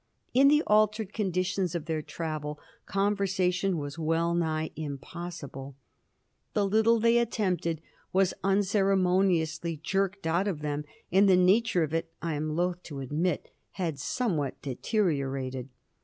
In the altered conditions of their travel, conversation was well nigh impossible. The little they attempted was unceremoniously jerked out of them, and the nature of it I am loath to admit had somewhat deteriorated.